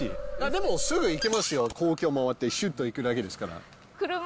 でも、すぐ行けますよ、皇居を回ってちょっと行くだけですから。